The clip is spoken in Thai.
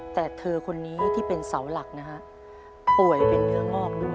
แต่เธอคนนี้ที่เป็นเสาหลักนะฮะป่วยเป็นเนื้องอกด้วย